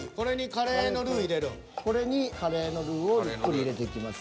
これにカレーのルーをゆっくり入れていきます。